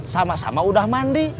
sama sama udah mandi